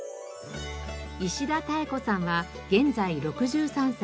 石田妙子さんは現在６３歳。